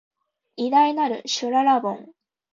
偉大なる、しゅららぼん